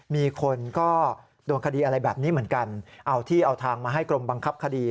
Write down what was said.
มีคนก็โดนคดีอะไรแบบนี้เหมือนกันเอาที่เอาทางมาให้กรมบังคับคดี